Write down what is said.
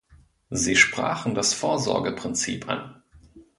Sie sprachen das Vorsorgeprinzip an.